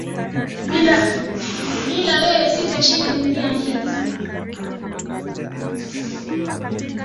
Bila wewe sita shinda dunia hii